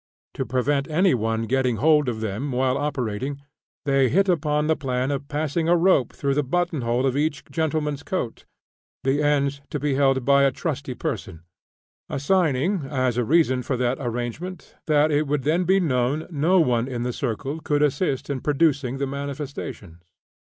To prevent any one getting hold of them while operating, they hit upon the plan of passing a rope through a button hole of each gentleman's coat, the ends to be held by a trusty person assigning, as a reason for that arrangement, that it would then be known no one in the circle could assist in producing the manifestations.